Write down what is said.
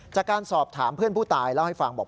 จากการสอบถามเพื่อนผู้ตายเล่าให้ฟังบอก